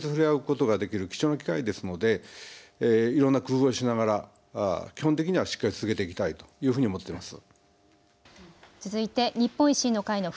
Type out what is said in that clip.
ただ街頭でやること、有権者の皆さんと直接触れ合うことができる貴重な機会ですのでいろんな工夫をしながら基本的にはしっかり続けていきたいというふうに思ってます。